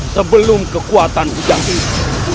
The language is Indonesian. sebelum kekuatan hujan ini